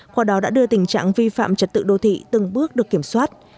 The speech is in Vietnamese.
qua đó đã đưa tình trạng vi phạm trật tự đô thị từng bước được kiểm soát